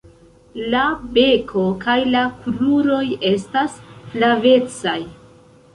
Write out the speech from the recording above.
La beko kaj la kruroj esta flavecaj.